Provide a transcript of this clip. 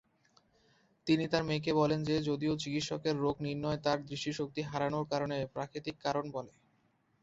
তিনি তার মেয়েকে বলেন যে, যদিও চিকিৎসকের রোগ নির্ণয় তার দৃষ্টিশক্তি হারানোর কারণ প্রাকৃতিক কারণ বলে।